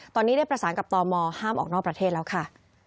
ตอนนี้ได้ประสานกับตมห้ามออกนอกประเทศแล้วค่ะ